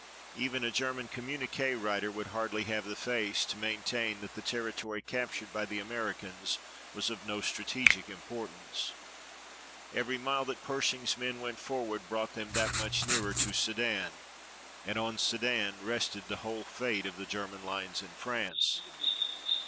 Even a German communiqué writer would hardly have the face to maintain that the territory captured by the Americans was of no strategic importance. Every mile that Pershing's men went forward brought them that much nearer to Sedan, and on Sedan rested the whole fate of the German lines in France.